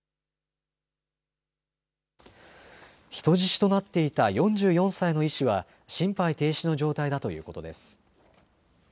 人質となっていた４４歳の医師は心肺停止の状態だということです。